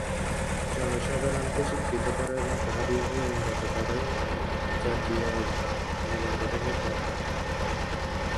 জনসাধারণকে শিক্ষিত করা এবং তাহাদিগকে উন্নত করাই জাতীয় জীবন-গঠনের পন্থা।